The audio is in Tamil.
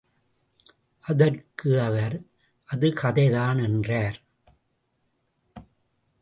அதற்கு அவர், அது கதைதான்! என்றார்.